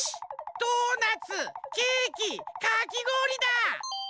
ドーナツケーキかきごおりだ！